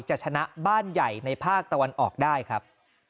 จะชนะบ้านใหญ่ในภาคตะวันออกได้ครับ